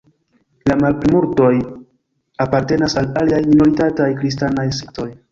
La malplimultoj apartenas al aliaj minoritataj kristanaj sektoj.